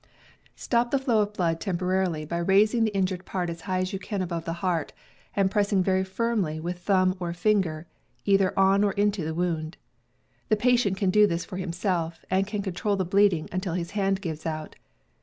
Stop the flow of blood temporarily by raising the in jured part as high as you can above the heart, and pressing very firmly with thumb or finger either on or into the wound. The pa ^* tient can do this for himself, and can control the bleeding until his hand gives out.